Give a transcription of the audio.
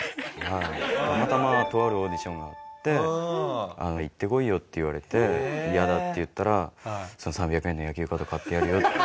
たまたまとあるオーディションがあって行ってこいよって言われて嫌だって言ったら３００円の野球カード買ってあげるよって。